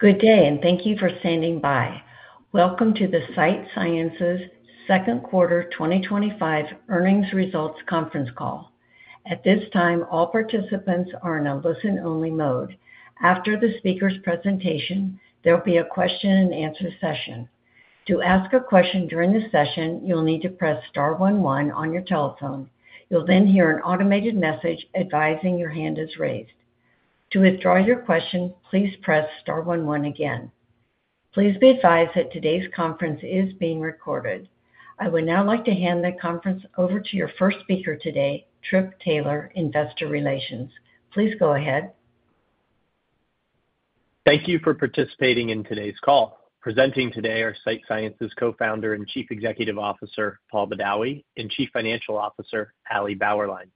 Good day and thank you for standing by. Welcome to the Sight Sciences Second Quarter 2025 Earnings Results Conference Call. At this time, all participants are in a listen-only mode. After the speaker's presentation, there will be a question-and-answer session. To ask a question during this session, you'll need to press star one one on your telephone. You'll then hear an automated message advising your hand is raised. To withdraw your question, please press star one one again. Please be advised that today's conference is being recorded. I would now like to hand the conference over to your first speaker today, Tripp Taylor, Investor Relations. Please go ahead. Thank you for participating in today's call. Presenting today are Sight Sciences Co-Founder and Chief Executive Officer, Paul Badawi, and Chief Financial Officer, Alison Bauerlein.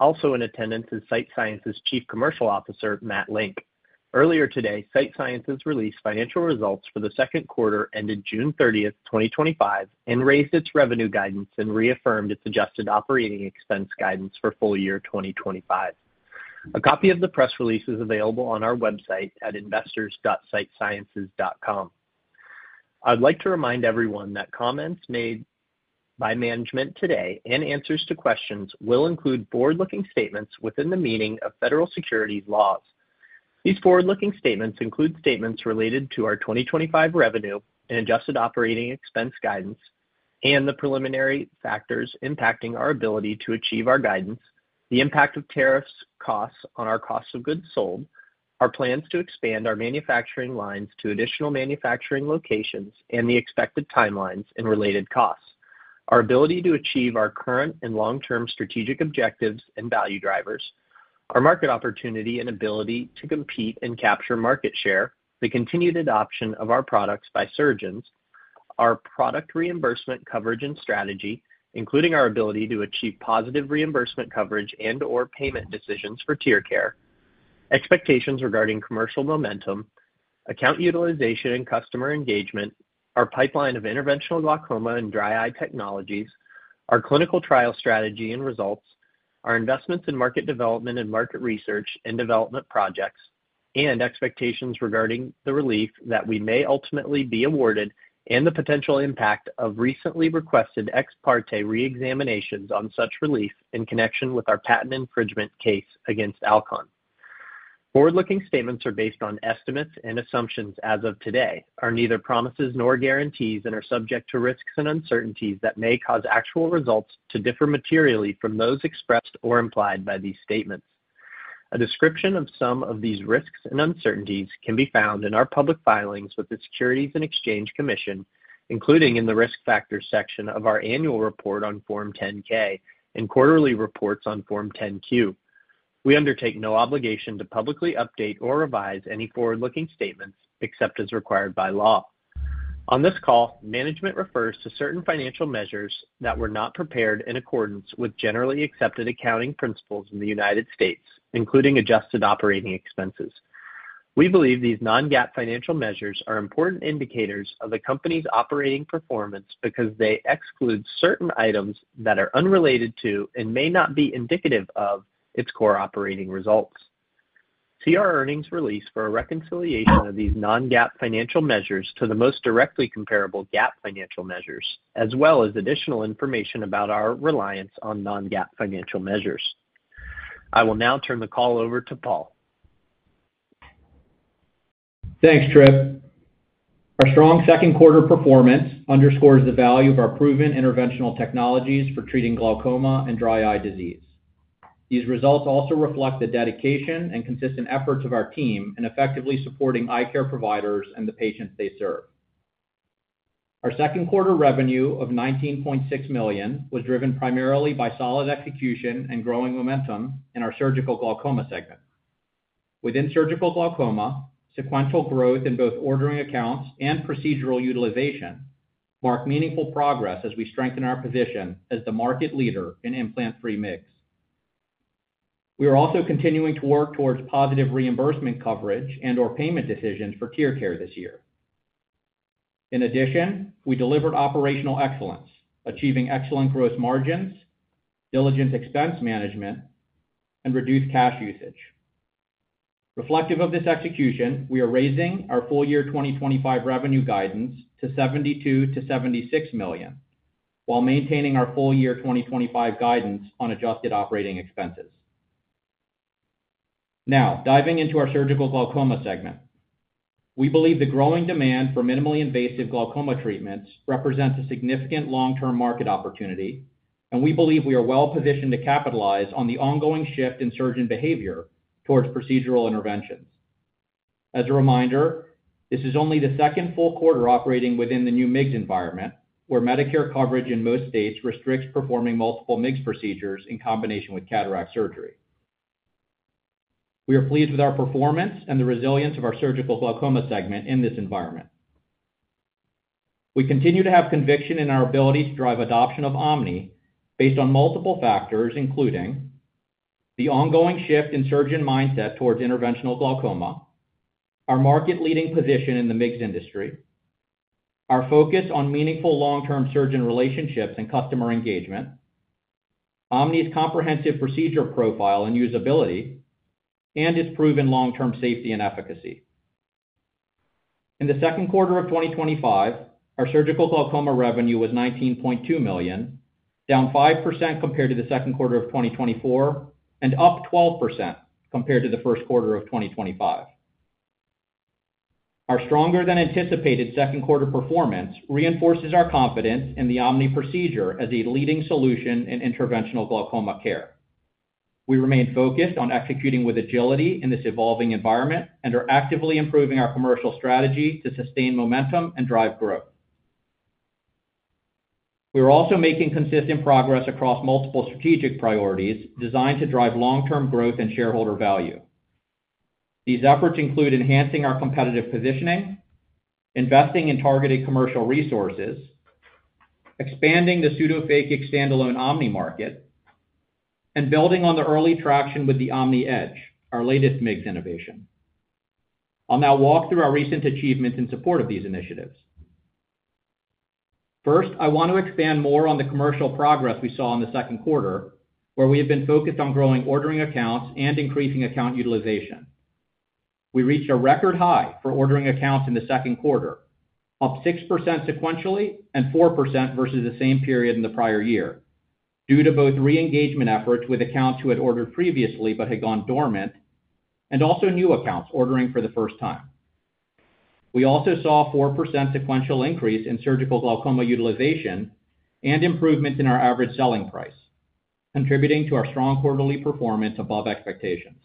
Also in attendance is Sight Sciences' Chief Commercial Officer, Matt Link. Earlier today, Sight Sciences released financial results for the second quarter ended June 30th, 2025, and raised its revenue guidance and reaffirmed its adjusted operating expense guidance for full year 2025. A copy of the press release is available on our website at investors.sightsciences.com. I would like to remind everyone that comments made by management today and answers to questions will include forward-looking statements within the meaning of federal securities laws. These forward-looking statements include statements related to our 2025 revenue and adjusted operating expense guidance, and the preliminary factors impacting our ability to achieve our guidance, the impact of tariffs, costs on our cost of goods sold, our plans to expand our manufacturing lines to additional manufacturing locations, and the expected timelines and related costs, our ability to achieve our current and long-term strategic objectives and value drivers, our market opportunity and ability to compete and capture market share, the continued adoption of our products by surgeons, our product reimbursement coverage and strategy, including our ability to achieve positive reimbursement coverage and/or payment decisions for TearCare, expectations regarding commercial momentum, account utilization and customer engagement, our pipeline of interventional glaucoma and dry eye technologies, our clinical trial strategy and results, our investments in market development and market research and development projects, and expectations regarding the relief that we may ultimately be awarded and the potential impact of recently requested ex parte re-examinations on such relief in connection with our patent infringement case against Alcon. Forward-looking statements are based on estimates and assumptions as of today, are neither promises nor guarantees, and are subject to risks and uncertainties that may cause actual results to differ materially from those expressed or implied by these statements. A description of some of these risks and uncertainties can be found in our public filings with the Securities and Exchange Commission, including in the Risk Factors section of our annual report on Form 10-K and quarterly reports on Form 10-Q. We undertake no obligation to publicly update or revise any forward-looking statements except as required by law. On this call, management refers to certain financial measures that were not prepared in accordance with generally accepted accounting principles in the United States, including adjusted operating expenses. We believe these non-GAAP financial measures are important indicators of a company's operating performance because they exclude certain items that are unrelated to and may not be indicative of its core operating results. See our earnings release for a reconciliation of these non-GAAP financial measures to the most directly comparable GAAP financial measures, as well as additional information about our reliance on non-GAAP financial measures. I will now turn the call over to Paul. Thanks, Tripp. Our strong second quarter performance underscores the value of our proven interventional technologies for treating glaucoma and dry eye disease. These results also reflect the dedication and consistent efforts of our team in effectively supporting eye care providers and the patients they serve. Our second quarter revenue of $19.6 million was driven primarily by solid execution and growing momentum in our surgical glaucoma segment. Within surgical glaucoma, sequential growth in both ordering accounts and procedural utilization marked meaningful progress as we strengthen our position as the market leader in implant-free MIGS. We are also continuing to work towards positive reimbursement coverage and/or payment decisions for TearCare this year. In addition, we delivered operational excellence, achieving excellent gross margins, diligent expense management, and reduced cash usage. Reflective of this execution, we are raising our full year 2025 revenue guidance to $72 million-$76 million, while maintaining our full year 2025 guidance on adjusted operating expenses. Now, diving into our surgical glaucoma segment, we believe the growing demand for minimally invasive glaucoma treatments represents a significant long-term market opportunity, and we believe we are well positioned to capitalize on the ongoing shift in surgeon behavior towards procedural intervention. As a reminder, this is only the second full quarter operating within the new MIGS environment, where Medicare coverage in most states restricts performing multiple MIGS procedures in combination with cataract surgery. We are pleased with our performance and the resilience of our surgical glaucoma segment in this environment. We continue to have conviction in our ability to drive adoption of OMNI based on multiple factors, including the ongoing shift in surgeon mindset towards interventional glaucoma, our market-leading position in the MIGS industry, our focus on meaningful long-term surgeon relationships and customer engagement, OMNI's comprehensive procedure profile and usability, and its proven long-term safety and efficacy. In the second quarter of 2025, our surgical glaucoma revenue was $19.2 million, down 5% compared to the second quarter of 2024, and up 12% compared to the first quarter of 2025. Our stronger than anticipated second quarter performance reinforces our confidence in the OMNI procedure as a leading solution in interventional glaucoma care. We remain focused on executing with agility in this evolving environment and are actively improving our commercial strategy to sustain momentum and drive growth. We are also making consistent progress across multiple strategic priorities designed to drive long-term growth and shareholder value. These efforts include enhancing our competitive positioning, investing in targeted commercial resources, expanding the standalone pseudophakic OMNI market, and building on the early traction with the OMNI Edge, our latest MIGS innovation. I'll now walk through our recent achievements in support of these initiatives. First, I want to expand more on the commercial progress we saw in the second quarter, where we have been focused on growing ordering accounts and increasing account utilization. We reached a record high for ordering accounts in the second quarter, up 6% sequentially and 4% versus the same period in the prior year, due to both re-engagement efforts with accounts who had ordered previously but had gone dormant, and also new accounts ordering for the first time. We also saw a 4% sequential increase in surgical glaucoma utilization and improvements in our average selling price, contributing to our strong quarterly performance above expectations.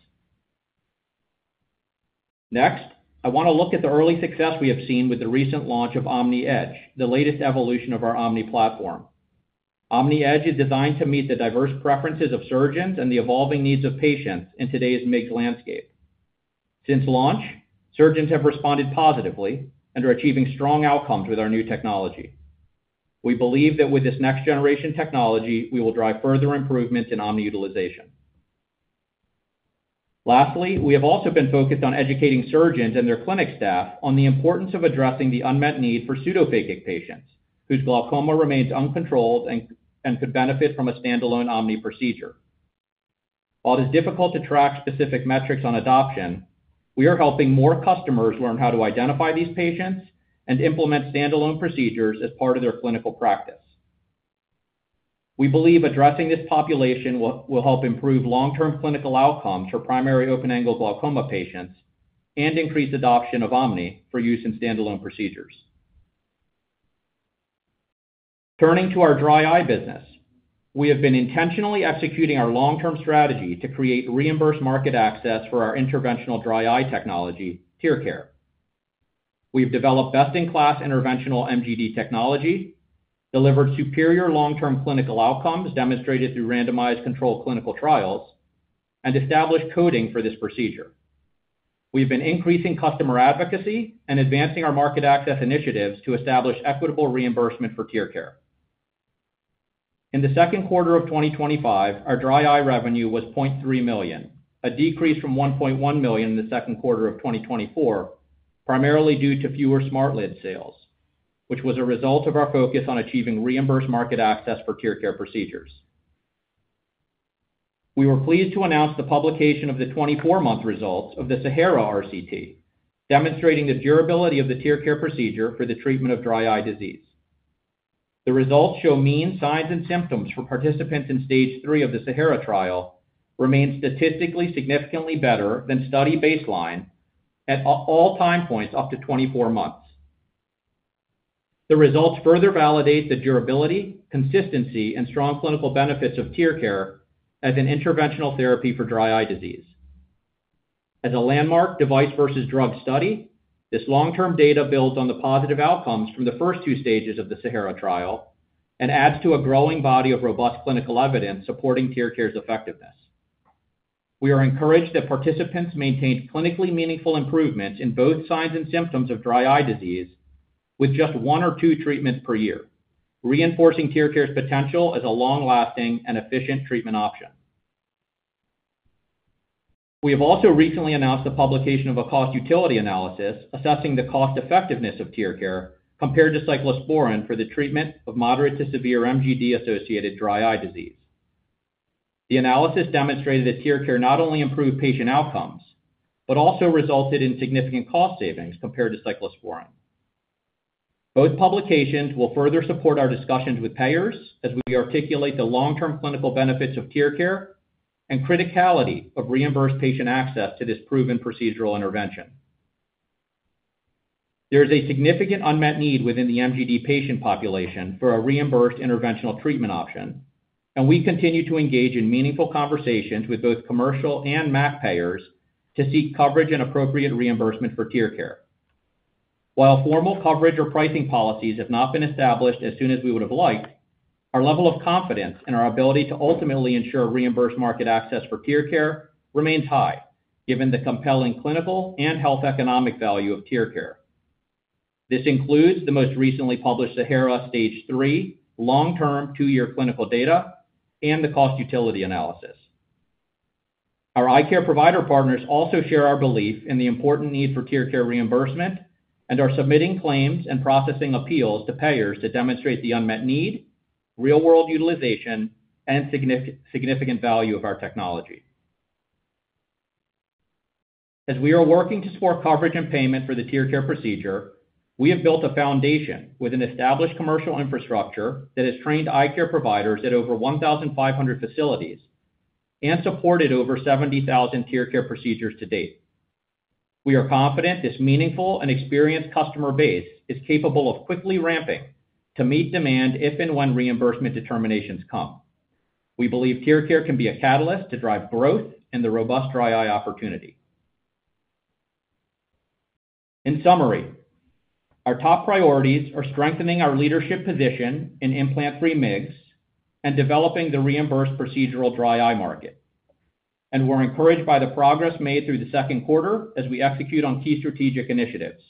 Next, I want to look at the early success we have seen with the recent launch of OMNI Edge, the latest evolution of our OMNI platform. OMNI Edge is designed to meet the diverse preferences of surgeons and the evolving needs of patients in today's MIGS landscape. Since launch, surgeons have responded positively and are achieving strong outcomes with our new technology. We believe that with this next-generation technology, we will drive further improvements in OMNI utilization. Lastly, we have also been focused on educating surgeons and their clinic staff on the importance of addressing the unmet need for pseudophakic patients whose glaucoma remains uncontrolled and could benefit from a standalone OMNI procedure. While it is difficult to track specific metrics on adoption, we are helping more customers learn how to identify these patients and implement standalone procedures as part of their clinical practice. We believe addressing this population will help improve long-term clinical outcomes for primary open-angle glaucoma patients and increase adoption of OMNI for use in standalone procedures. Turning to our dry eye business, we have been intentionally executing our long-term strategy to create reimbursed market access for our interventional dry eye technology, TearCare. We've developed best-in-class interventional MGD technology, delivered superior long-term clinical outcomes demonstrated through randomized controlled clinical trials, and established coding for this procedure. We've been increasing customer advocacy and advancing our market access initiatives to establish equitable reimbursement for TearCare. In the second quarter of 2025, our dry eye revenue was $0.3 million, a decrease from $1.1 million in the second quarter of 2024, primarily due to fewer Smart Lid sales, which was a result of our focus on achieving reimbursed market access for TearCare procedures. We were pleased to announce the publication of the 24-month results of the SAHARA RCT, demonstrating the durability of the TearCare procedure for the treatment of dry eye disease. The results show mean signs and symptoms for participants in stage three of the SAHARA trial remain statistically significantly better than study baseline at all time points up to 24 months. The results further validate the durability, consistency, and strong clinical benefits of TearCare as an interventional therapy for dry eye disease. As a landmark device versus drug study, this long-term data builds on the positive outcomes from the first two stages of the SAHARA trial and adds to a growing body of robust clinical evidence supporting TearCare's effectiveness. We are encouraged that participants maintain clinically meaningful improvements in both signs and symptoms of dry eye disease with just one or two treatments per year, reinforcing TearCare's potential as a long-lasting and efficient treatment option. We have also recently announced the publication of a cost-utility analysis assessing the cost-effectiveness of TearCare compared to cyclosporin for the treatment of moderate to severe MGD-associated dry eye disease. The analysis demonstrated that TearCare not only improved patient outcomes but also resulted in significant cost savings compared to cyclosporin. Both publications will further support our discussions with payers as we articulate the long-term clinical benefits of TearCare and the criticality of reimbursed patient access to this proven procedural intervention. There is a significant unmet need within the MGD patient population for a reimbursed interventional treatment option, and we continue to engage in meaningful conversations with both commercial and MAC payers to seek coverage and appropriate reimbursement for TearCare. While formal coverage or pricing policies have not been established as soon as we would have liked, our level of confidence in our ability to ultimately ensure reimbursed market access for TearCare remains high, given the compelling clinical and health economic value of TearCare. This includes the most recently published SAHARA stage three long-term two-year clinical data and the cost-utility analysis. Our eye care provider partners also share our belief in the important need for TearCare reimbursement and are submitting claims and processing appeals to payers to demonstrate the unmet need, real-world utilization, and significant value of our technology. As we are working to support coverage and payment for the TearCare procedure, we have built a foundation with an established commercial infrastructure that has trained eye care providers at over 1,500 facilities and supported over 70,000 TearCare procedures to date. We are confident this meaningful and experienced customer base is capable of quickly ramping to meet demand if and when reimbursement determinations come. We believe TearCare can be a catalyst to drive growth in the robust dry eye opportunity. In summary, our top priorities are strengthening our leadership position in implant-free MIGS and developing the reimbursed procedural dry eye market. We are encouraged by the progress made through the second quarter as we execute on key strategic initiatives.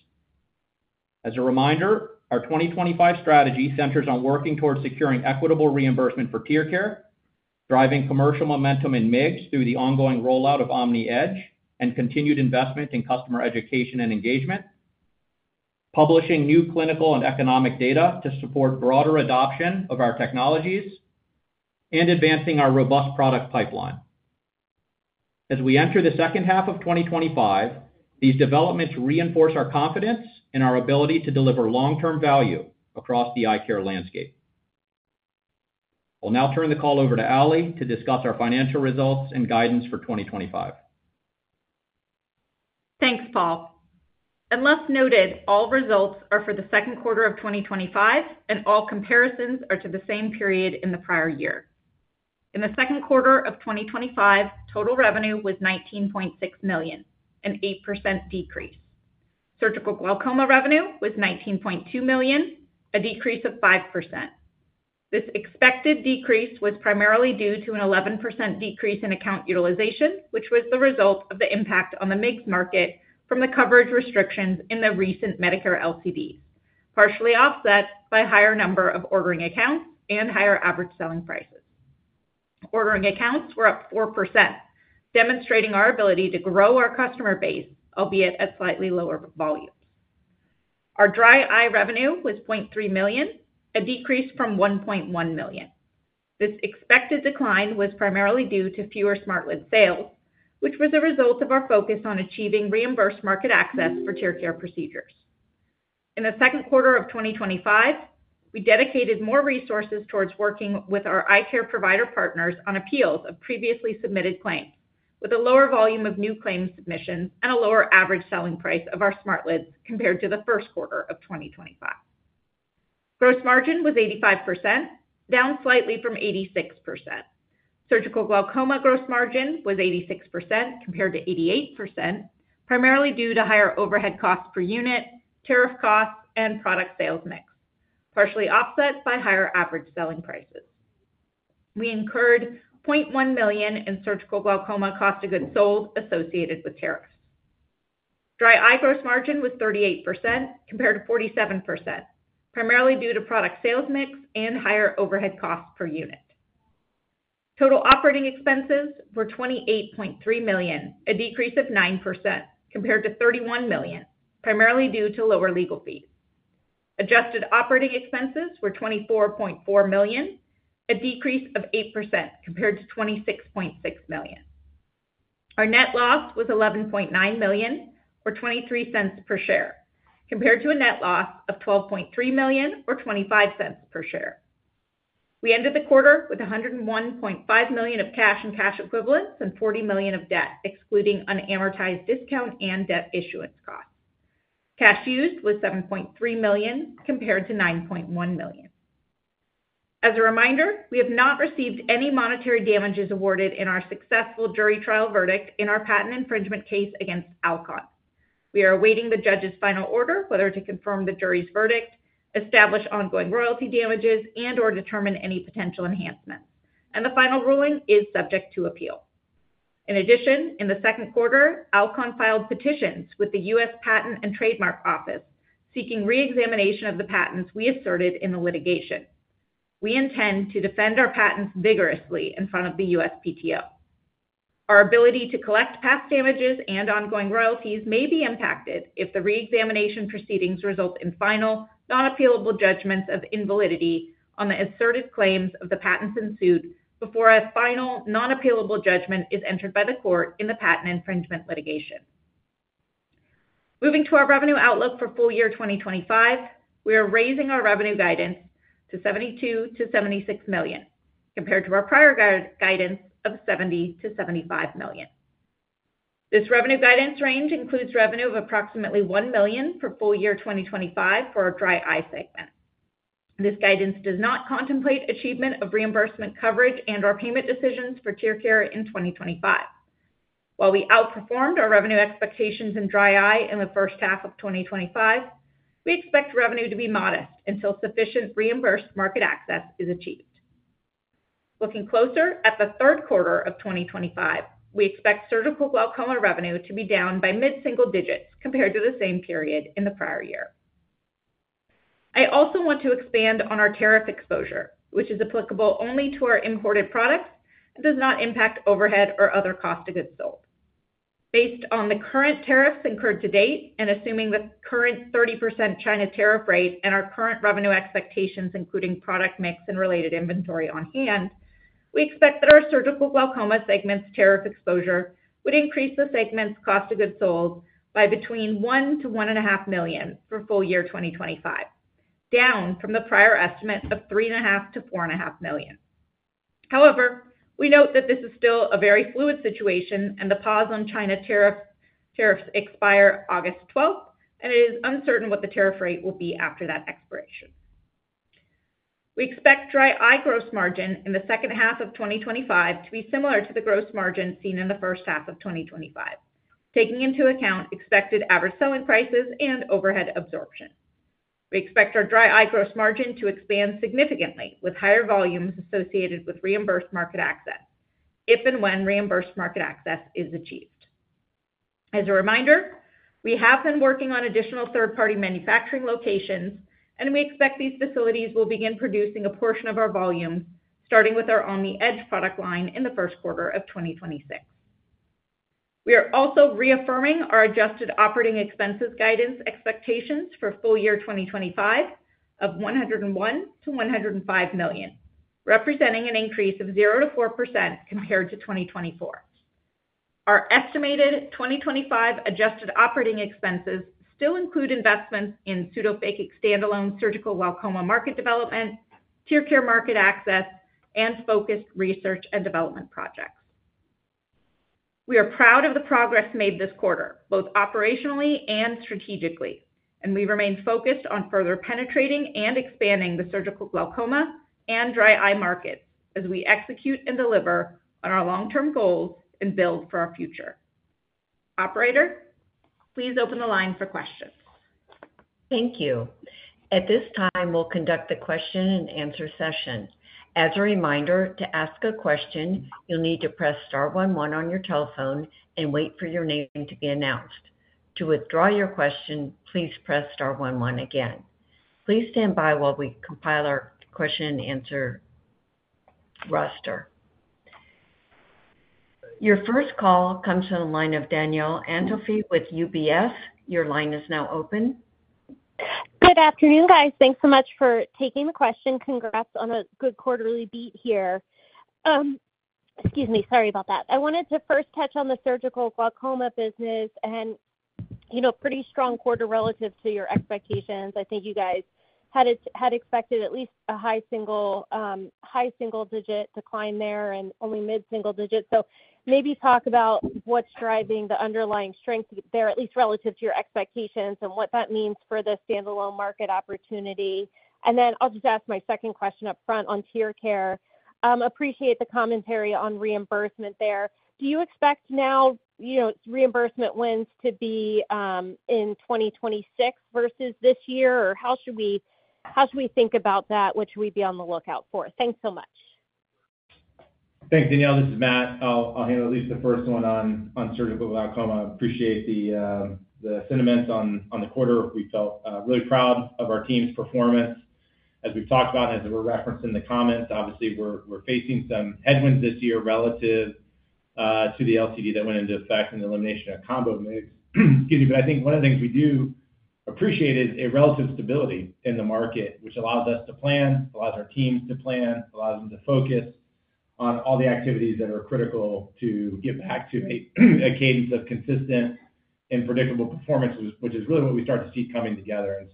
As a reminder, our 2025 strategy centers on working towards securing equitable reimbursement for TearCare, driving commercial momentum in MIGS through the ongoing rollout of OMNI Edge, and continued investment in customer education and engagement, publishing new clinical and economic data to support broader adoption of our technologies, and advancing our robust product pipeline. As we enter the second half of 2025, these developments reinforce our confidence in our ability to deliver long-term value across the eye care landscape. I'll now turn the call over to Ali to discuss our financial results and guidance for 2025. Thanks, Paul. Unless noted, all results are for the second quarter of 2025, and all comparisons are to the same period in the prior year. In the second quarter of 2025, total revenue was $19.6 million, an 8% decrease. Surgical glaucoma revenue was $19.2 million, a decrease of 5%. This expected decrease was primarily due to an 11% decrease in account utilization, which was the result of the impact on the MIGS market from the coverage restrictions in the recent Medicare LCD, partially offset by a higher number of ordering accounts and higher average selling prices. Ordering accounts were up 4%, demonstrating our ability to grow our customer base, albeit at slightly lower volume. Our dry eye revenue was $0.3 million, a decrease from $1.1 million. This expected decline was primarily due to fewer Smart Lid sales, which was a result of our focus on achieving reimbursed market access for TearCare procedures. In the second quarter of 2025, we dedicated more resources towards working with our eye care provider partners on appeals of previously submitted claims, with a lower volume of new claims submissions and a lower average selling price of our Smart Lids compared to the first quarter of 2025. Gross margin was 85%, down slightly from 86%. Surgical glaucoma gross margin was 86% compared to 88%, primarily due to higher overhead costs per unit, tariff costs, and product sales mix, partially offset by higher average selling prices. We incurred $0.1 million in surgical glaucoma cost of goods sold associated with tariffs. Dry eye gross margin was 38% compared to 47%, primarily due to product sales mix and higher overhead costs per unit. Total operating expenses were $28.3 million, a decrease of 9% compared to $31 million, primarily due to lower legal fees. Adjusted operating expenses were $24.4 million, a decrease of 8% compared to $26.6 million. Our net loss was $11.9 million, or $0.23 per share, compared to a net loss of $12.3 million, or $0.25 per share. We ended the quarter with $101.5 million of cash and cash equivalents and $40 million of debt, excluding unamortized discount and debt issuance costs. Cash used was $7.3 million compared to $9.1 million. As a reminder, we have not received any monetary damages awarded in our successful jury trial verdict in our patent infringement case against Alcon. We are awaiting the judge's final order whether to confirm the jury's verdict, establish ongoing royalty damages, and/or determine any potential enhancements. The final ruling is subject to appeal. In addition, in the second quarter, Alcon filed petitions with the U.S. Patent and Trademark Office seeking re-examination of the patents we asserted in the litigation. We intend to defend our patents vigorously in front of the USPTO. Our ability to collect past damages and ongoing royalties may be impacted if the re-examination proceedings result in final non-appealable judgments of invalidity on the asserted claims of the patents in suit before a final non-appealable judgment is entered by the court in the patent infringement litigation. Moving to our revenue outlook for full year 2025, we are raising our revenue guidance to $72 million-$76 million, compared to our prior guidance of $70 millon-$75 million. This revenue guidance range includes revenue of approximately $1 million for full year 2025 for our dry eye segment. This guidance does not contemplate achievement of reimbursement coverage and/or payment decisions for TearCare in 2025. While we outperformed our revenue expectations in dry eye in the first-half of 2025, we expect revenue to be modest until sufficient reimbursed market access is achieved. Looking closer at the third quarter of 2025, we expect surgical glaucoma revenue to be down by mid-single digits compared to the same period in the prior year. I also want to expand on our tariff exposure, which is applicable only to our imported products and does not impact overhead or other cost of goods sold. Based on the current tariffs incurred to date and assuming the current 30% China tariff rate and our current revenue expectations, including product mix and related inventory on hand, we expect that our surgical glaucoma segment's tariff exposure would increase the segment's cost of goods sold by between $1 million-$1.5 million for full year 2025, down from the prior estimate of $3.5 million-$4.5 million. However, we note that this is still a very fluid situation and the pause on China tariffs expires August 12, and it is uncertain what the tariff rate will be after that expiration. We expect dry eye gross margin in the second half of 2025 to be similar to the gross margin seen in the first-half of 2025, taking into account expected average selling prices and overhead absorption. We expect our dry eye gross margin to expand significantly with higher volumes associated with reimbursed market access, if and when reimbursed market access is achieved. As a reminder, we have been working on additional third-party manufacturing locations, and we expect these facilities will begin producing a portion of our volume, starting with our OMNI Edge product line in the first quarter of 2026. We are also reaffirming our adjusted operating expense guidance expectations for full year 2025 of $101 million-$105 million, representing an increase of 0%-4% compared to 2024. Our estimated 2025 adjusted operating expenses still include investments in pseudophakic standalone surgical glaucoma market development, TearCare market access, and focused research and development projects. We are proud of the progress made this quarter, both operationally and strategically, and we remain focused on further penetrating and expanding the surgical glaucoma and dry eye market as we execute and deliver on our long-term goals and build for our future. Operator, please open the line for questions. Thank you. At this time, we'll conduct the question-and-answer session. As a reminder, to ask a question, you'll need to press star one one on your telephone and wait for your name to be announced. To withdraw your question, please press star one one again. Please stand by while we compile our question-and-answer roster. Your first call comes from the line of Danielle Antalffy with UBS. Your line is now open. Good afternoon, guys. Thanks so much for taking the question. Congrats on a good quarterly beat here. I wanted to first touch on the surgical glaucoma business and, you know, pretty strong quarter relative to your expectations. I think you guys had expected at least a high single digit decline there and only mid-single digit. Maybe talk about what's driving the underlying strength there, at least relative to your expectations and what that means for the standalone market opportunity. I'll just ask my second question up front on TearCare. Appreciate the commentary on reimbursement there. Do you expect now, you know, reimbursement wins to be in 2026 versus this year, or how should we think about that? What should we be on the lookout for? Thanks so much. Thanks, Danielle. This is Matt. I'll handle at least the first one on surgical glaucoma. I appreciate the sentiments on the quarter. We felt really proud of our team's performance. As we've talked about and as were referenced in the comments, obviously, we're facing some headwinds this year relative to the LCD that went into effect and the elimination of combo. I think one of the things we do appreciate is a relative stability in the market, which allows us to plan, allows our team to plan, allows them to focus on all the activities that are critical to get back to a cadence of consistent and predictable performance, which is really what we start to see coming together.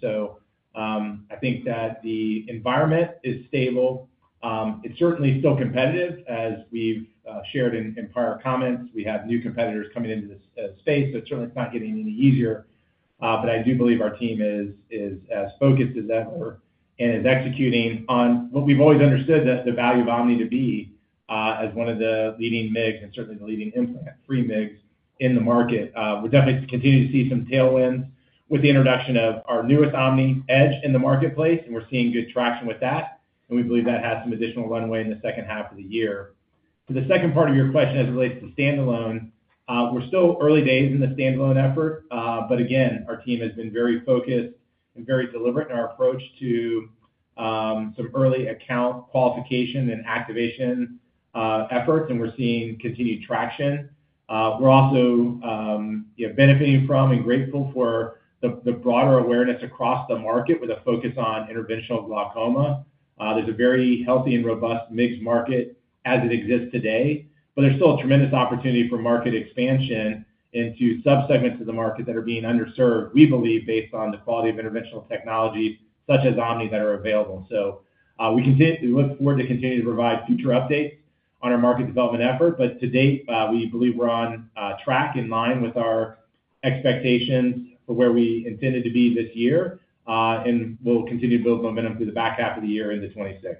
I think that the environment is stable. It's certainly still competitive. As we've shared in prior comments, we have new competitors coming into this space, so it's certainly not getting any easier. I do believe our team is as focused as ever and is executing on what we've always understood the value of OMNI to be, as one of the leading MIGS and certainly the leading implant-free MIGS in the market. We'll definitely continue to see some tailwinds with the introduction of our newest OMNI Edge in the marketplace, and we're seeing good traction with that. We believe that has some additional runway in the second half of the year. For the second part of your question as it relates to standalone, we're still early days in the standalone effort. Our team has been very focused and very deliberate in our approach to some early account qualification and activation efforts, and we're seeing continued traction. We're also benefiting from and grateful for the broader awareness across the market with a focus on interventional glaucoma. There's a very healthy and robust MIGS market as it exists today, but there's still a tremendous opportunity for market expansion into subsegments of the market that are being underserved, we believe, based on the quality of interventional technologies such as OMNI that are available. We can look forward to continuing to provide future updates on our market development effort. To date, we believe we're on track in line with our expectations for where we intended to be this year, and we'll continue to build momentum through the back-half of the year into 2026.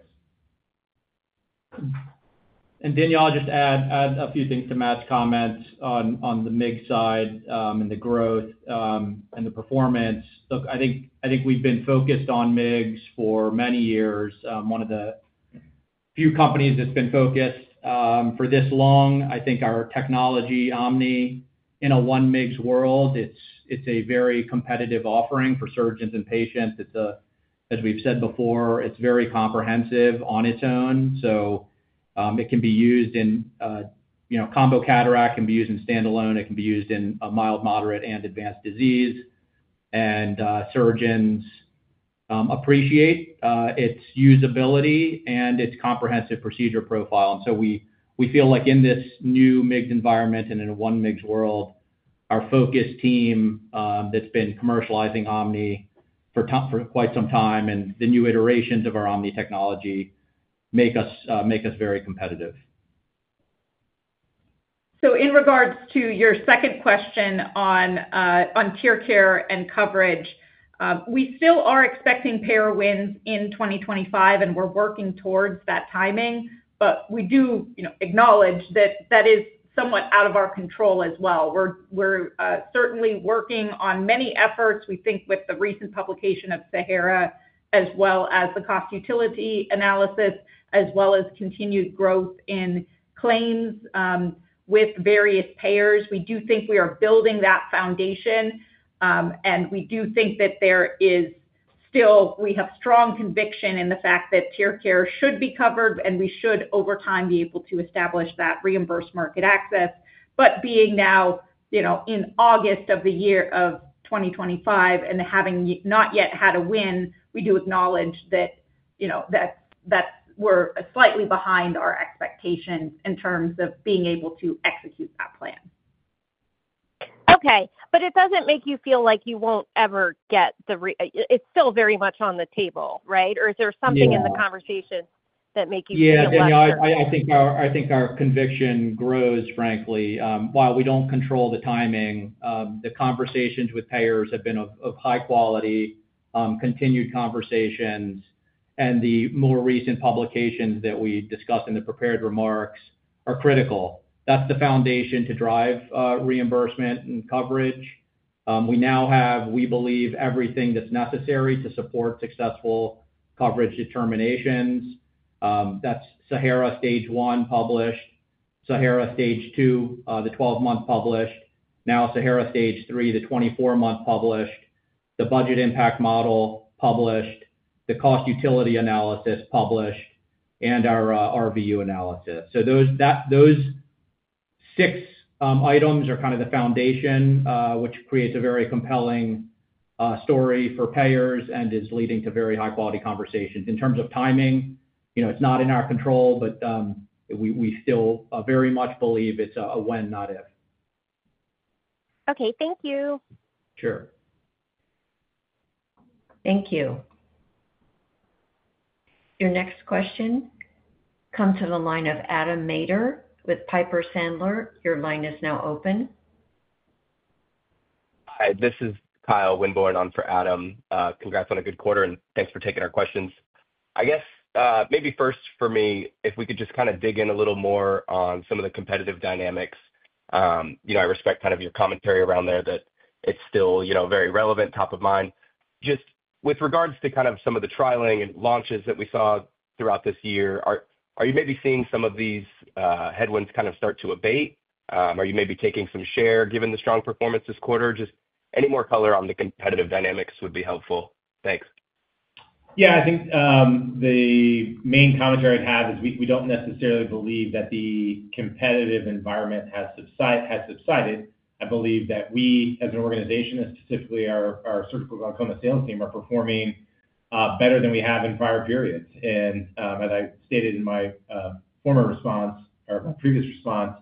Danielle, I'll just add a few things to Matt's comments on the MIGS side and the growth and the performance. I think we've been focused on MIGS for many years. One of the few companies that's been focused for this long, I think our technology, OMNI, in a one MIGS world, it's a very competitive offering for surgeons and patients. As we've said before, it's very comprehensive on its own. It can be used in combo cataract, it can be used in standalone, it can be used in mild, moderate, and advanced disease. Surgeons appreciate its usability and its comprehensive procedure profile. We feel like in this new MIGS environment and in a one MIGS world, our focus team that's been commercializing OMNI for quite some time and the new iterations of our OMNI technology make us very competitive. In regards to your second question on TearCare and coverage, we still are expecting payer wins in 2025, and we're working towards that timing. We do acknowledge that that is somewhat out of our control as well. We're certainly working on many efforts. We think with the recent publication of SAHARA, as well as the cost-utility analysis and continued growth in claims with various payers, we do think we are building that foundation. We have strong conviction in the fact that TearCare should be covered, and we should, over time, be able to establish that reimbursed market access. Being now in August of the year 2025 and having not yet had a win, we do acknowledge that we're slightly behind our expectations in terms of being able to execute that plan. It doesn't make you feel like you won't ever get the, it's still very much on the table, right? Is there something in the conversation that makes you feel about it? I think our conviction grows, frankly. While we don't control the timing, the conversations with payers have been of high quality, continued conversations, and the more recent publications that we discussed in the prepared remarks are critical. That's the foundation to drive reimbursement and coverage. We now have, we believe, everything that's necessary to support successful coverage determinations. That's SAHARA stage one published, SAHARA stage two, the 12-month published, now SAHARA stage three, the 24-month published, the budget impact model published, the cost-utility analysis published, and our RVU analysis. Those six items are kind of the foundation, which creates a very compelling story for payers and is leading to very high-quality conversations. In terms of timing, you know, it's not in our control, but we still very much believe it's a when, not if. Okay, thank you. Sure. Thank you. Your next question comes from the line of Adam Maeder with Piper Sandler. Your line is now open. Hi, this is Kyle Winborne on for Adam. Congrats on a good quarter and thanks for taking our questions. I guess maybe first for me, if we could just kind of dig in a little more on some of the competitive dynamics. I respect kind of your commentary around there that it's still, you know, very relevant, top of mind. Just with regards to kind of some of the trialing and launches that we saw throughout this year, are you maybe seeing some of these headwinds kind of start to abate? Are you maybe taking some share given the strong performance this quarter? Any more color on the competitive dynamics would be helpful. Thanks. Yeah, I think the main commentary I'd have is we don't necessarily believe that the competitive environment has subsided. I believe that we, as an organization, specifically our surgical glaucoma sales team, are performing better than we have in prior periods. As I stated in my previous response,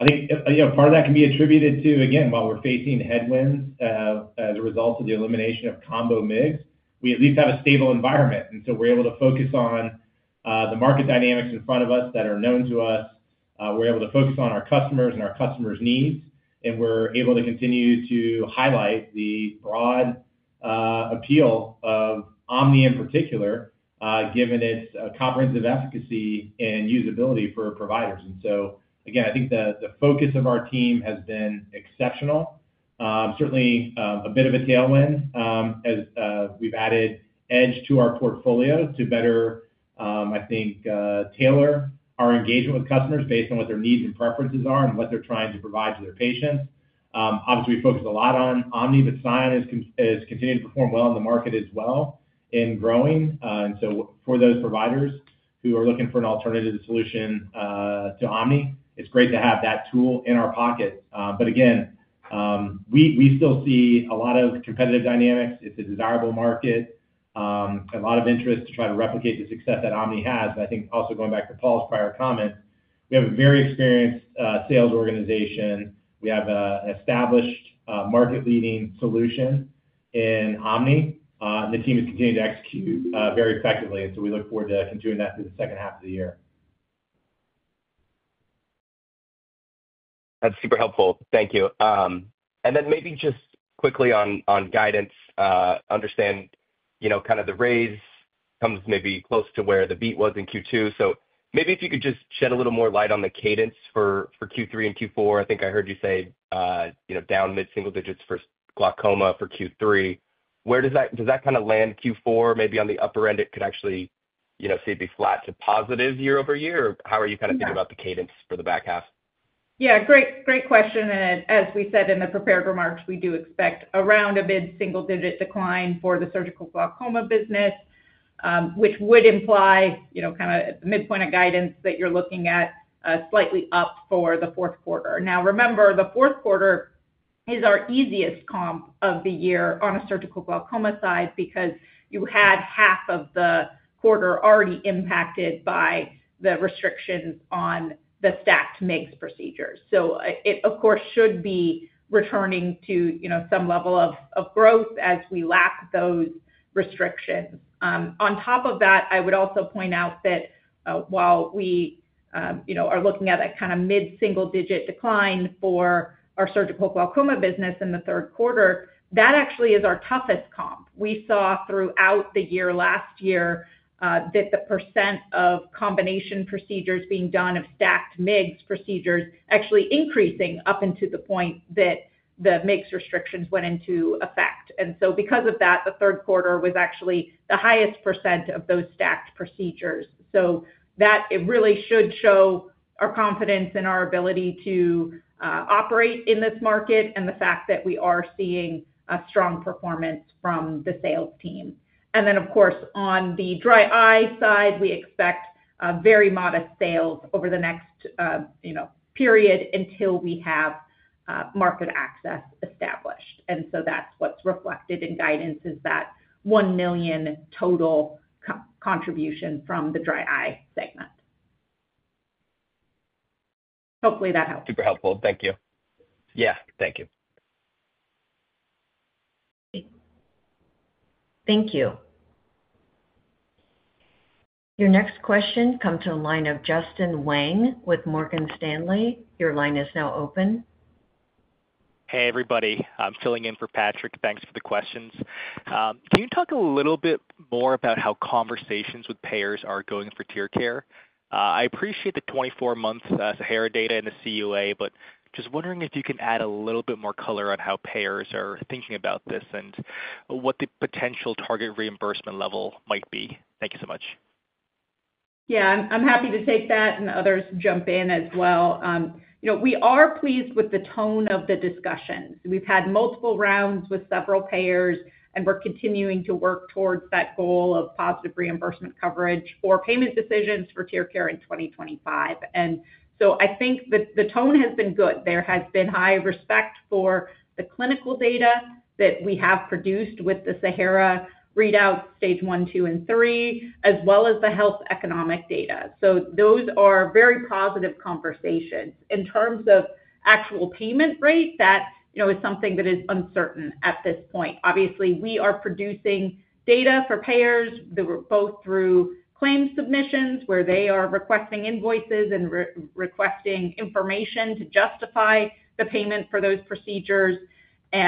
I think part of that can be attributed to, again, while we're facing headwinds as a result of the elimination of combo MIGS, we at least have a stable environment. We're able to focus on the market dynamics in front of us that are known to us. We're able to focus on our customers and our customers' needs, and we're able to continue to highlight the broad appeal of OMNI in particular, given its comprehensive efficacy and usability for providers. I think the focus of our team has been exceptional. Certainly, a bit of a tailwind as we've added Edge to our portfolio to better tailor our engagement with customers based on what their needs and preferences are and what they're trying to provide to their patients. Obviously, we focus a lot on OMNI, but SION is continuing to perform well in the market as well and growing. For those providers who are looking for an alternative solution to OMNI, it's great to have that tool in our pocket. We still see a lot of competitive dynamics. It's a desirable market, a lot of interest to try to replicate the success that OMNI has. I think also going back to Paul's prior comment, we have a very experienced sales organization. We have an established market-leading solution in OMNI, and the team is continuing to execute very effectively. We look forward to continuing that through the second half of the year. That's super helpful. Thank you. Maybe just quickly on guidance, understand, you know, kind of the raise comes maybe close to where the beat was in Q2. Maybe if you could just shed a little more light on the cadence for Q3 and Q4. I think I heard you say, you know, down mid-single digits for glaucoma for Q3. Where does that kind of land Q4? Maybe on the upper end, it could actually, you know, see it be flat to positive year-over-year, or how are you kind of thinking about the cadence for the back half? Yeah, great question. As we said in the prepared remarks, we do expect around a mid-single digit decline for the surgical glaucoma business, which would imply, you know, kind of at the midpoint of guidance that you're looking at slightly up for the fourth quarter. Now, remember, the fourth quarter is our easiest comp of the year on a surgical glaucoma side because you had 1/2 of the quarter already impacted by the restrictions on the stacked MIGS procedures. It should be returning to, you know, some level of growth as we lap those restrictions. On top of that, I would also point out that while we, you know, are looking at that kind of mid-single digit decline for our surgical glaucoma business in the third quarter, that actually is our toughest comp. We saw throughout the year last year that the percent of combination procedures being done of stacked MIGS procedures actually increasing up into the point that the MIGS restrictions went into effect. Because of that, the third quarter was actually the highest percent of those stacked procedures. That really should show our confidence in our ability to operate in this market and the fact that we are seeing a strong performance from the sales team. On the dry eye side, we expect very modest sales over the next, you know, period until we have market access established. That's what's reflected in guidance is that $1 million total contribution from the dry eye segment. Hopefully, that helps. Super helpful. Thank you. Yeah, thank you. Thank you. Your next question comes from the line of Justin Wang with Morgan Stanley. Your line is now open. Hey, everybody. I'm filling in for Patrick. Thanks for the questions. Can you talk a little bit more about how conversations with payers are going for TearCare? I appreciate the 24-month SAHARA data and the CUA, but just wondering if you can add a little bit more color on how payers are thinking about this and what the potential target reimbursement level might be. Thank you so much. Yeah, I'm happy to take that and others jump in as well. We are pleased with the tone of the discussion. We've had multiple rounds with several payers, and we're continuing to work towards that goal of positive reimbursement coverage for payment decisions for TearCare in 2025. I think that the tone has been good. There has been high respect for the clinical data that we have produced with the SAHARA readout stage one, two, and three, as well as the health economic data. Those are very positive conversations. In terms of actual payment rates, that is something that is uncertain at this point. Obviously, we are producing data for payers, both through claim submissions where they are requesting invoices and requesting information to justify the payment for those procedures. We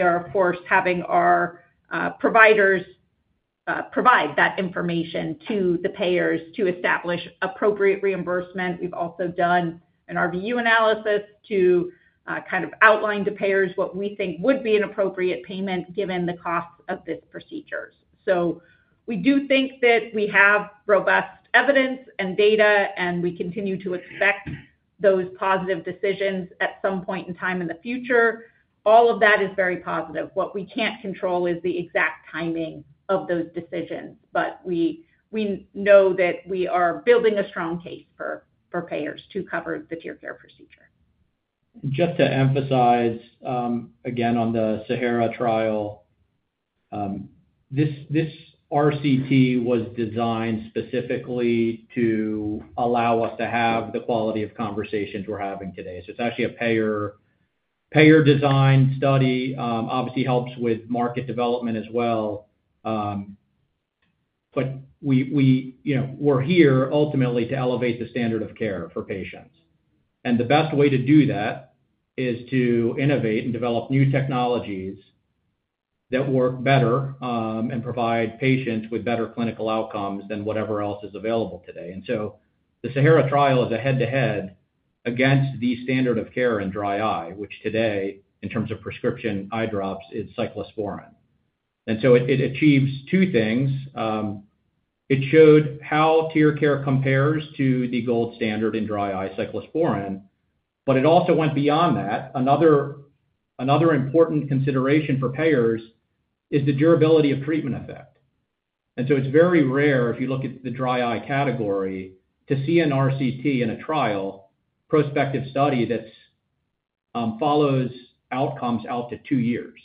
are, of course, having our providers provide that information to the payers to establish appropriate reimbursement. We've also done an RVU analysis to outline to payers what we think would be an appropriate payment given the costs of these procedures. We do think that we have robust evidence and data, and we continue to expect those positive decisions at some point in time in the future. All of that is very positive. What we can't control is the exact timing of those decisions, but we know that we are building a strong case for payers to cover the TearCare procedure. Just to emphasize again, on the SAHARA, this RCT was designed specifically to allow us to have the quality of conversations we're having today. It's actually a payer-designed study. Obviously, it helps with market development as well. We're here ultimately to elevate the standard of care for patients. The best way to do that is to innovate and develop new technologies that work better and provide patients with better clinical outcomes than whatever else is available today. The SAHARA is a head-to-head against the standard of care in dry eye, which today, in terms of prescription eye drops, is cyclosporin. It achieves two things. It showed how TearCare compares to the gold standard in dry eye, cyclosporin, but it also went beyond that. Another important consideration for payers is the durability of treatment effect. It's very rare, if you look at the dry eye category, to see an RCT, a prospective study that follows outcomes out to two years.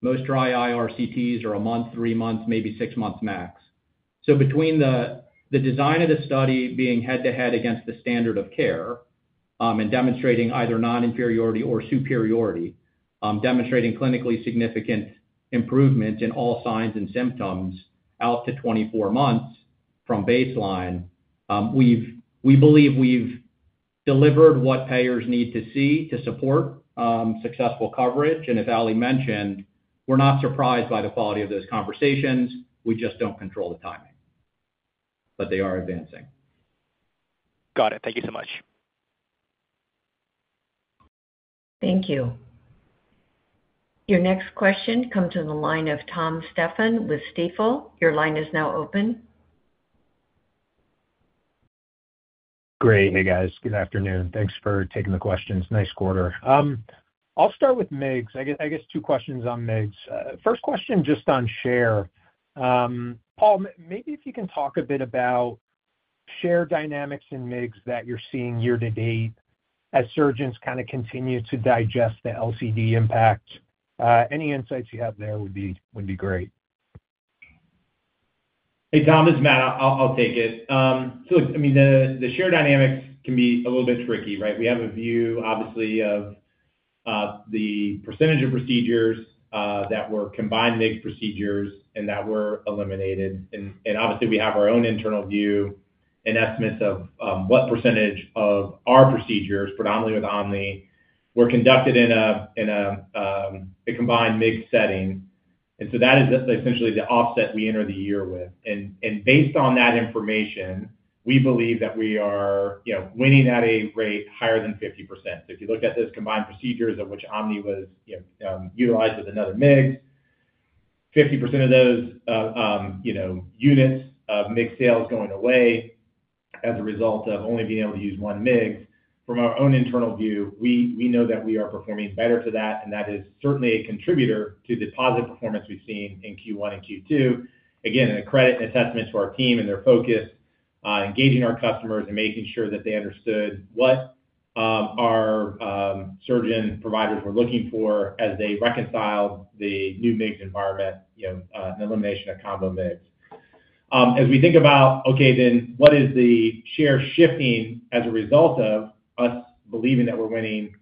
Most dry eye RCTs are a month, three months, maybe six months max. Between the design of the study being head-to-head against the standard of care and demonstrating either non-inferiority or superiority, demonstrating clinically significant improvement in all signs and symptoms out to 24 months from baseline, we believe we've delivered what payers need to see to support successful coverage. As Ali mentioned, we're not surprised by the quality of those conversations. We just don't control the timing, but they are advancing. Got it. Thank you so much. Thank you. Your next question comes from the line of Thomas M. Stephan with Stifel. Your line is now open. Great. Hey, guys. Good afternoon. Thanks for taking the questions. Nice quarter. I'll start with MIGS. I guess two questions on MIGS. First question just on share. Paul, maybe if you can talk a bit about share dynamics in MIGS that you're seeing year to date as surgeons continue to digest the LCD impact. Any insights you have there would be great. Hey, Tom. This is Matt. I'll take it. The share dynamics can be a little bit tricky, right? We have a view, obviously, of the percentage of procedures that were combined MIGS procedures and that were eliminated. We have our own internal view and estimates of what percentage of our procedures, predominantly with OMNI, were conducted in a combined MIGS setting. That is essentially the offset we enter the year with. Based on that information, we believe that we are winning at a rate higher than 50%. If you look at those combined procedures of which OMNI was utilized as another MIGS, 50% of those units of MIGS sales going away as a result of only being able to use one MIGS. From our own internal view, we know that we are performing better for that, and that is certainly a contributor to the positive performance we've seen in Q1 and Q2. A credit and assessment to our team and their focus on engaging our customers and making sure that they understood what our surgeon providers were looking for as they reconciled the new MIGS environment, an elimination of combo MIGS. As we think about what is the share shifting as a result of us believing that we're winning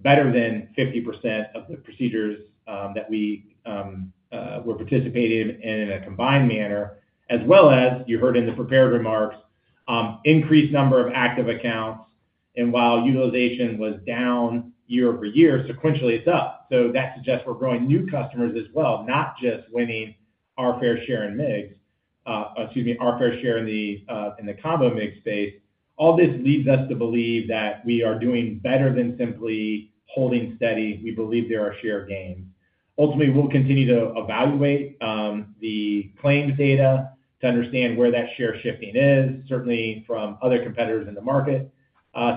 better than 50% of the procedures that we were participating in in a combined manner, as well as you heard in the prepared remarks, increased number of active accounts. While utilization was down year over year, sequentially, it's up. That suggests we're growing new customers as well, not just winning our fair share in MIGS, excuse me, our fair share in the combo MIGS space. All this leaves us to believe that we are doing better than simply holding steady. We believe there are share gains. Ultimately, we'll continue to evaluate the claims data to understand where that share shifting is. Certainly, from other competitors in the market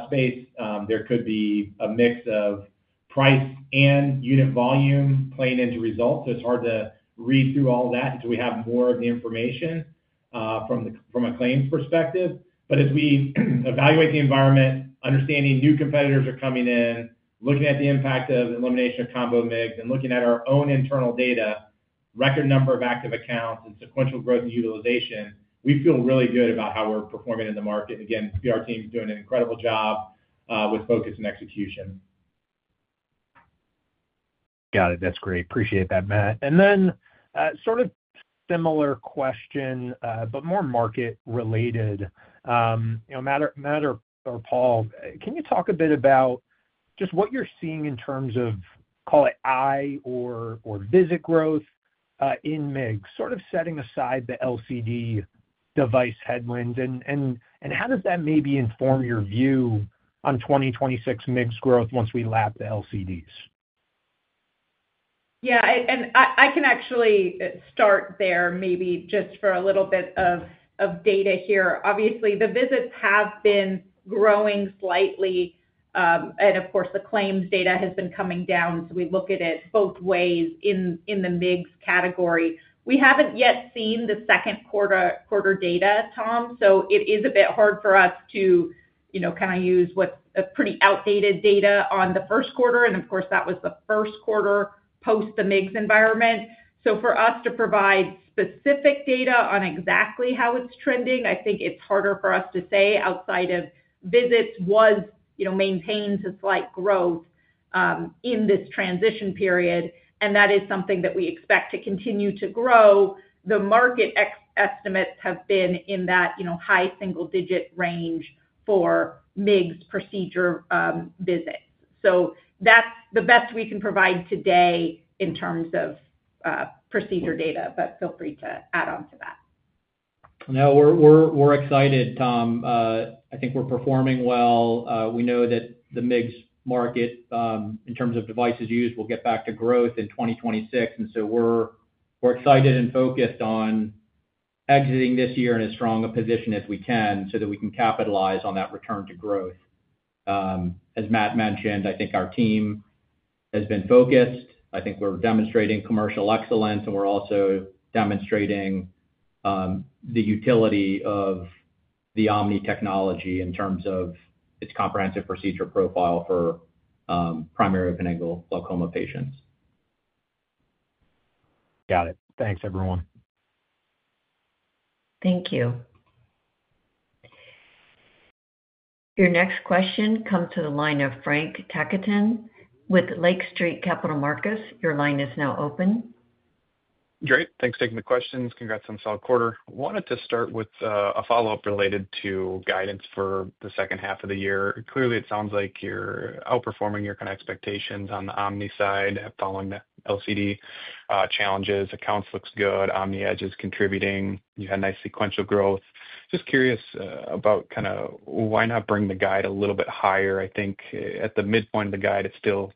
space, there could be a mix of price and unit volume playing into results. It's hard to read through all that until we have more of the information from a claims perspective. As we evaluate the environment, understanding new competitors are coming in, looking at the impact of the elimination of combo MIGS, and looking at our own internal data, record number of active accounts, and sequential growth and utilization, we feel really good about how we're performing in the market. The PR team is doing an incredible job with focus and execution. Got it. That's great. Appreciate that, Matt. Sort of similar question, but more market-related. You know, Matt or Paul, can you talk a bit about just what you're seeing in terms of, call it, eye or visit growth in MIGS, sort of setting aside the LCD device headwinds? How does that maybe inform your view on 2026 MIGS growth once we lap the LCDs? Yeah, I can actually start there, maybe just for a little bit of data here. Obviously, the visits have been growing slightly, and of course, the claims data has been coming down. We look at it both ways in the MIGS category. We haven't yet seen the second quarter data, Tom, so it is a bit hard for us to use what's pretty outdated data on the first quarter. That was the first quarter post the MIGS environment. For us to provide specific data on exactly how it's trending, I think it's harder for us to say outside of visits, which maintains a slight growth in this transition period. That is something that we expect to continue to grow. The market estimates have been in that high single-digit range for MIGS procedure visits. That's the best we can provide today in terms of procedure data, but feel free to add on to that. No, we're excited, Tom. I think we're performing well. We know that the MIGS market, in terms of devices used, will get back to growth in 2026. We're excited and focused on exiting this year in as strong a position as we can so that we can capitalize on that return to growth. As Matt mentioned, I think our team has been focused. I think we're demonstrating commercial excellence, and we're also demonstrating the utility of the OMNI technology in terms of its comprehensive procedure profile for primary open-angle glaucoma patients. Got it. Thanks, everyone. Thank you. Your next question comes from the line of Frank Takkinen with Lake Street Capital Markets. Your line is now open. Great. Thanks for taking the questions. Congrats on a solid quarter. I wanted to start with a follow-up related to guidance for the second half of the year. Clearly, it sounds like you're outperforming your kind of expectations on the OMNI side following the LCD challenges. Accounts look good. OMNI Edge is contributing. You had nice sequential growth. Just curious about kind of why not bring the guide a little bit higher. I think at the midpoint of the guide, it still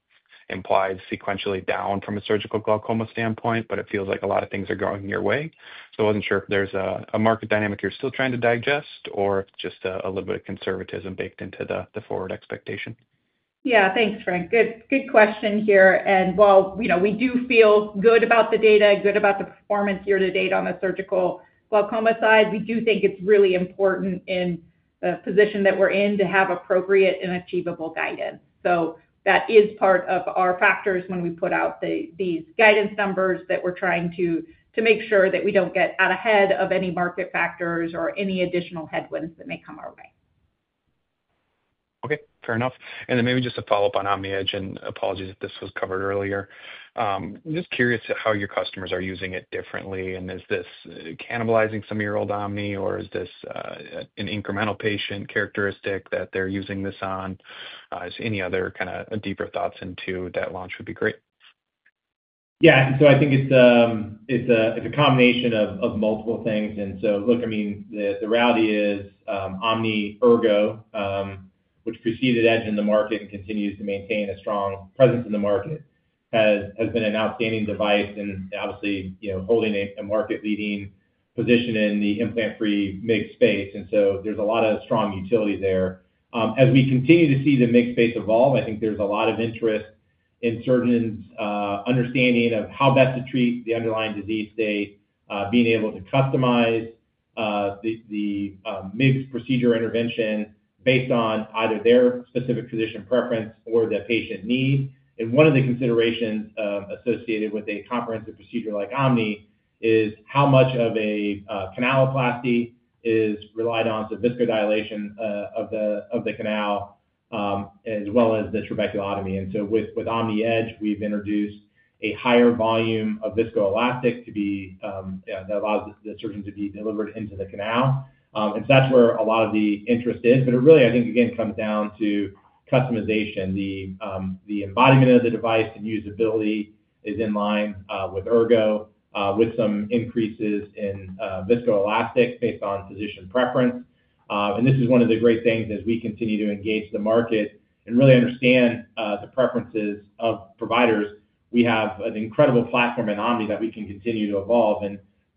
implies sequentially down from a surgical glaucoma standpoint, but it feels like a lot of things are going your way. I wasn't sure if there's a market dynamic you're still trying to digest or just a little bit of conservatism baked into the forward expectation. Yeah, thanks, Frank. Good question here. While we do feel good about the data and good about the performance year to date on the surgical glaucoma side, we do think it's really important in the position that we're in to have appropriate and achievable guidance. That is part of our factors when we put out these guidance numbers that we're trying to make sure that we don't get out ahead of any market factors or any additional headwinds that may come our way. Okay. Fair enough. Maybe just a follow-up on OMNI Edge, and apologies if this was covered earlier. I'm just curious how your customers are using it differently, and is this cannibalizing some of your old OMNI, or is this an incremental patient characteristic that they're using this on? Just any other kind of deeper thoughts into that launch would be great. I think it's a combination of multiple things. Look, the reality is OMNI Ergo, which preceded Edge in the market and continues to maintain a strong presence in the market, has been an outstanding device and obviously, you know, holding a market-leading position in the implant-free MIGS space. There's a lot of strong utility there. As we continue to see the MIGS space evolve, I think there's a lot of interest in surgeons' understanding of how best to treat the underlying disease state, being able to customize the MIGS procedure intervention based on either their specific physician preference or the patient need. One of the considerations associated with a comprehensive procedure like OMNI is how much of a canaloplasty is relied on, so viscodilation of the canal, as well as the trabeculotomy. With OMNI Edge, we've introduced a higher volume of viscoelastic that allows the surgeon to be delivered into the canal. That's where a lot of the interest is. It really, I think, again, comes down to customization. The embodiment of the device and usability is in line with Ergo, with some increases in viscoelastic based on physician preference. This is one of the great things as we continue to engage the market and really understand the preferences of providers. We have an incredible platform in OMNI that we can continue to evolve.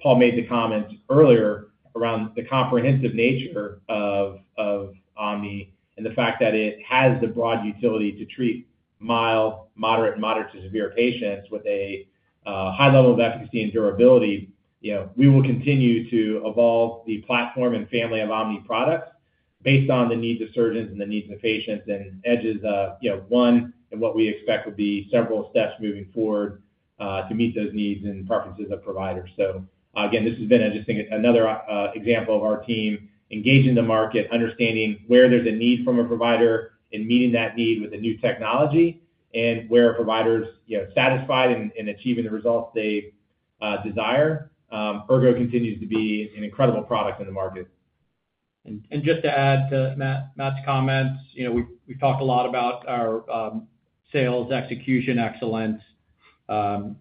Paul made the comments earlier around the comprehensive nature of OMNI and the fact that it has the broad utility to treat mild, moderate, and moderate to severe patients with a high level of efficacy and durability. We will continue to evolve the platform and family of OMNI products based on the needs of surgeons and the needs of the patients. Edge is, you know, one in what we expect will be several steps moving forward to meet those needs and preferences of providers. This has been, I just think, another example of our team engaging the market, understanding where there's a need from a provider and meeting that need with the new technology, and where providers are satisfied in achieving the results they desire. Ergo continues to be an incredible product in the market. To add to Matt's comments, we've talked a lot about our sales execution excellence. Our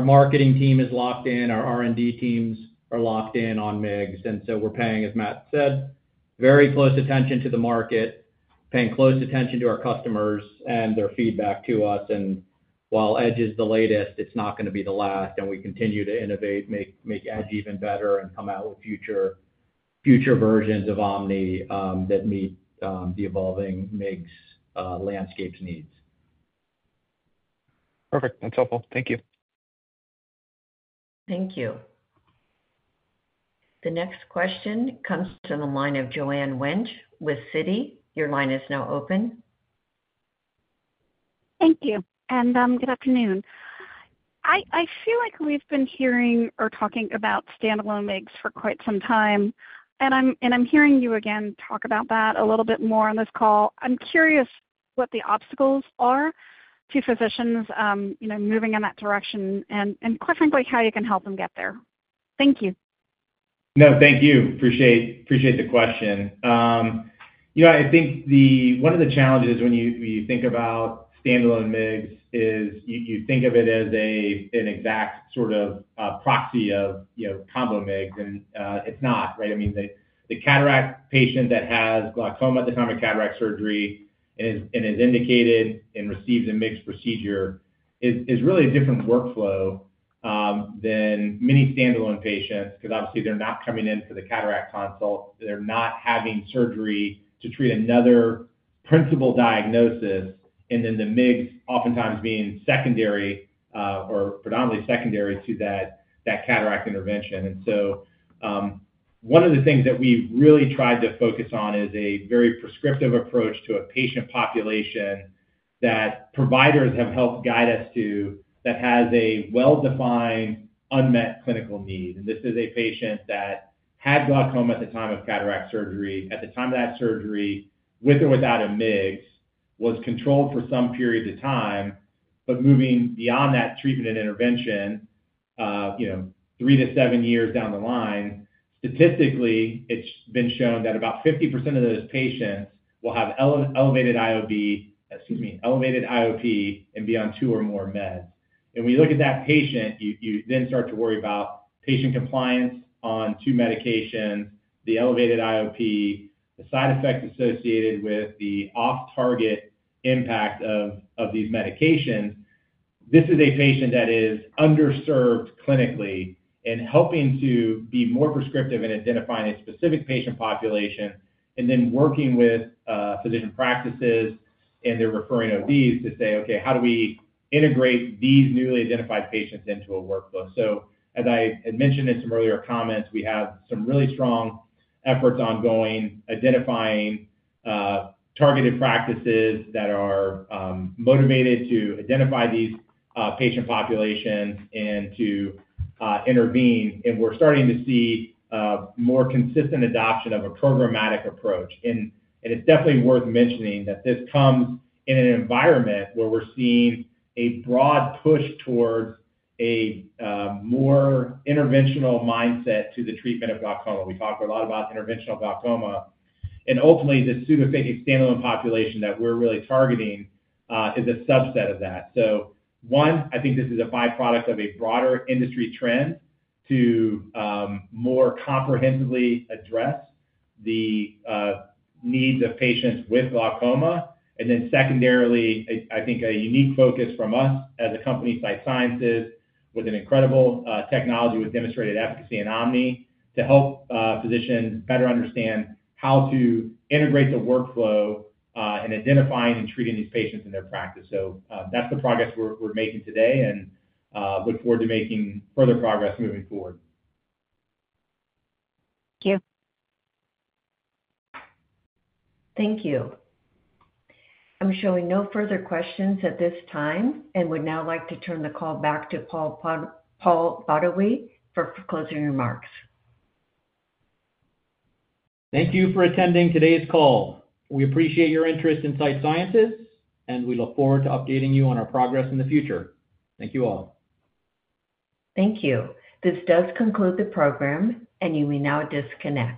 marketing team is locked in. Our R&D teams are locked in on MIGS. We're paying, as Matt said, very close attention to the market, paying close attention to our customers and their feedback to us. While Edge is the latest, it's not going to be the last. We continue to innovate, make Edge even better, and come out with future versions of OMNI that meet the evolving MIGS landscape's needs. Perfect. That's helpful. Thank you. Thank you. The next question comes from the line of Joanne Wuensch with Citigroup Inc. Your line is now open. Thank you. Good afternoon. I feel like we've been hearing or talking about standalone MIGS for quite some time. I'm hearing you again talk about that a little bit more on this call. I'm curious what the obstacles are to physicians moving in that direction and, quite frankly, how you can help them get there. Thank you. No, thank you. Appreciate the question. I think one of the challenges when you think about standalone MIGS is you think of it as an exact sort of proxy of combo MIGS. It's not, right? The cataract patient that has glaucoma at the time of cataract surgery and is indicated and receives a MIGS procedure is really a different workflow than many standalone patients because obviously they're not coming in for the cataract consult. They're not having surgery to treat another principal diagnosis, and then the MIGS oftentimes being secondary or predominantly secondary to that cataract intervention. One of the things that we really tried to focus on is a very prescriptive approach to a patient population that providers have helped guide us to that has a well-defined unmet clinical need. This is a patient that had glaucoma at the time of cataract surgery. At the time of that surgery, with or without a MIGS, was controlled for some period of time, but moving beyond that treatment and intervention, three to seven years down the line, statistically, it's been shown that about 50% of those patients will have elevated IOP and be on two or more meds. When you look at that patient, you then start to worry about patient compliance on two medications, the elevated IOP, the side effects associated with the off-target impact of these medications. This is a patient that is underserved clinically, and helping to be more prescriptive in identifying a specific patient population and then working with physician practices and their referring ODs to say, "Okay, how do we integrate these newly identified patients into a workflow?" As I had mentioned in some earlier comments, we have some really strong efforts ongoing identifying targeted practices that are motivated to identify these patient populations and to intervene. We're starting to see more consistent adoption of a programmatic approach. It's definitely worth mentioning that this comes in an environment where we're seeing a broad push toward a more interventional mindset to the treatment of glaucoma. We talk a lot about interventional glaucoma. Ultimately, the pseudophakic standalone population that we're really targeting is a subset of that. I think this is a byproduct of a broader industry trend to more comprehensively address the needs of patients with glaucoma. Secondarily, I think a unique focus from us as a company by Sight Sciences with an incredible technology with demonstrated efficacy in OMNI to help physicians better understand how to integrate the workflow in identifying and treating these patients in their practice. That's the progress we're making today and look forward to making further progress moving forward. Thank you. Thank you. I'm showing no further questions at this time and would now like to turn the call back to Paul Badawi for closing remarks. Thank you for attending today's call. We appreciate your interest in Sight Sciences, and we look forward to updating you on our progress in the future. Thank you all. Thank you. This does conclude the program, and you may now disconnect.